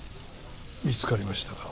見つかりましたか？